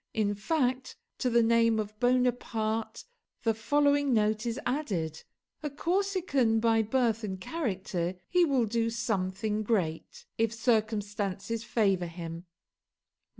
In fact, to the name of Bonaparte the following note is added: "a Corsican by birth and character he will do something great, if circumstances favour him."